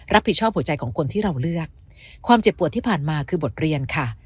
หัวใจของคนที่เราเลือกความเจ็บปวดที่ผ่านมาคือบทเรียนค่ะ